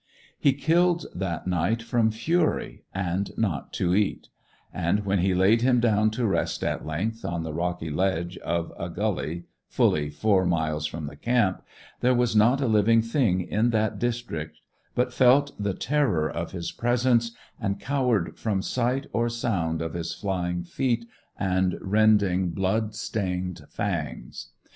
He killed that night from fury, and not to eat; and when he laid him down to rest at length, on the rocky edge of a gully fully four miles from the camp, there was not a living thing in that district but felt the terror of his presence, and cowered from sight or sound of his flying feet and rending, blood stained fangs.